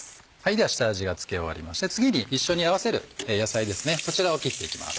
では下味が付け終わりまして次に一緒に合わせる野菜そちらを切っていきます。